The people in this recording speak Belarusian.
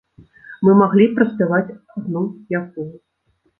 Мы маглі б праспяваць адну якую.